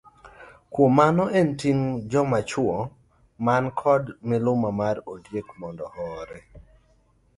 Kuom mano en ting' joma chuo man koda miluma mar ondiek mondo ohore.